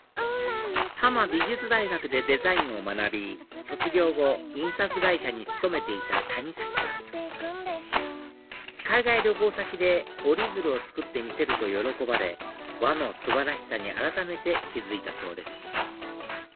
多摩美術大学でデザインを学び卒業後印刷会社に勤めていた谷崎さん海外旅行先で折り鶴を作って見せると喜ばれ和の素晴らしさに改めて気付いたそうです